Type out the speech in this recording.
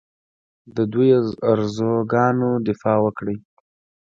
د دوی ارزوګانو دفاع وکړي